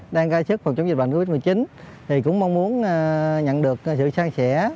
đang gai sức phòng chống dịch bệnh covid một mươi chín thì cũng mong muốn nhận được sự sang sẻ